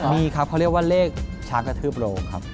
มีครับเขาเรียกว่าเลขช้างกระทืบโรงครับ